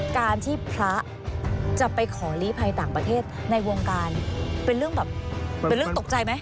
การที่พระจะไปขอลีภัยต่างประเทศในวงการเป็นเรื่องแบบเป็นเรื่องตกใจไหม